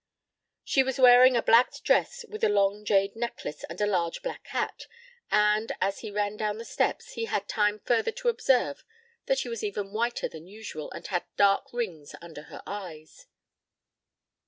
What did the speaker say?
She was wearing a black dress with a long jade necklace and a large black hat, and, as he ran down the steps, he had time further to observe that she was even whiter than usual and had dark rings under her eyes.